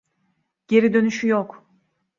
Geri dönüşü yok.